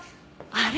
あれ？